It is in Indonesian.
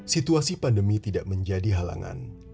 situasi pandemi tidak menjadi halangan